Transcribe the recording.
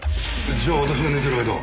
じゃあ私が寝てる間は？